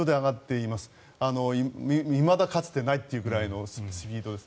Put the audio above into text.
いまだかつてないというくらいのスピードです。